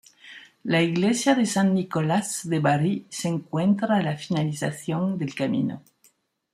La Iglesia de San Nicolás de Bari se encuentra a la finalización del camino.